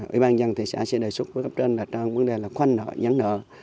ủy ban dân thị xã sẽ đề xuất với cấp trên là trong vấn đề là khoanh nợ nhắn nợ